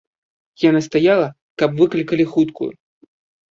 Я настаяла, каб выклікалі хуткую.